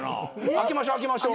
開けましょう。